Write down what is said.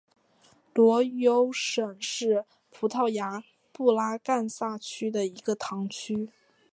罗尤什是葡萄牙布拉干萨区的一个堂区。